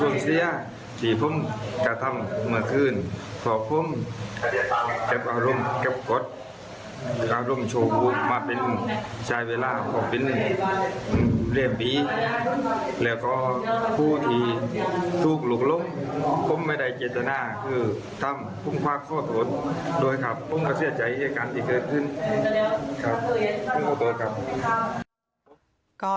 มีอะไรจงแล้วขอโทษอีกนะครับ